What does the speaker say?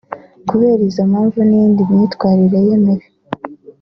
Kubera izo mpamvu n’iyindi myitwarire ye mibi